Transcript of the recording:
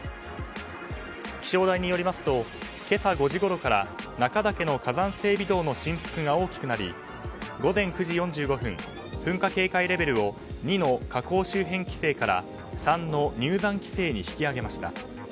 気象台によりますと今朝５時ごろから中岳の火山性微動の振幅が大きくなり午前９時４５分噴火警戒レベルを２の火口周辺規制から３の入山規制に引き上げました。